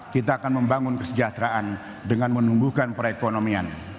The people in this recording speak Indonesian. kita akan membangun kesejahteraan dengan menumbuhkan perekonomian